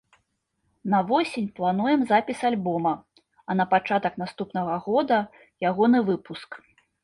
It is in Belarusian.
На восень плануем запіс альбома, а на пачатак наступнага года ягоны выпуск.